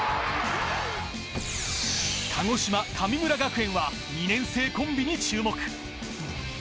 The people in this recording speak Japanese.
鹿児島・神村学園は２年生コンビに注目。